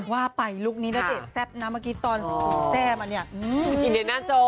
ว่าไปลุคนี้เนี่ยเต็ดแซ่บนะเมื่อกี้ตอนแซ่บอ่ะเนี่ย